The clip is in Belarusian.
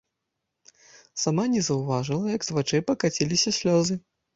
Сама не заўважыла, як з вачэй пакаціліся слёзы.